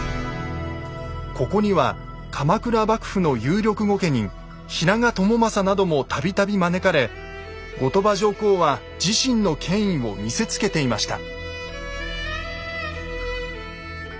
ここには鎌倉幕府の有力御家人平賀朝雅なども度々招かれ後鳥羽上皇は自身の権威を見せつけていました。